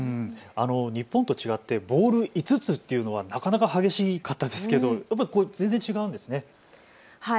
日本と違ってボール５つっていうのはなかなか激しかったですけど全然違うんですね。